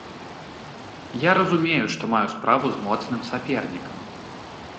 Я разумею, што маю справу з моцным сапернікам.